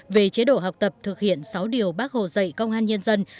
về chế độ học tập thực hiện sáu điều bác hồ dạy công an nhân dân